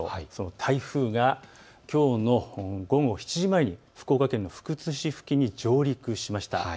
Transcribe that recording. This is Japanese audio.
台風がきょうの午後７時前に福岡県の福津市付近に上陸しました。